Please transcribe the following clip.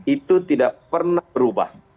itu tidak pernah berubah